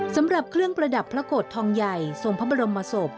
สำหรับเครื่องประดับพระโกรธทองใหญ่ทรงพระบรมศพ